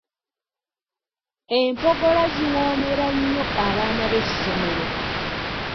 Empogola ziwoomera nnyo abaana b'essomero.